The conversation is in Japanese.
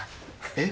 「えっ？」